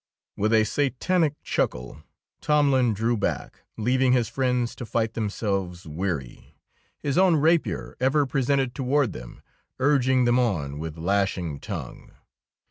With a satanic chuckle Tomlin drew back, leaving his friends to fight themselves weary, his own rapier ever presented toward them, urging them on with lashing tongue.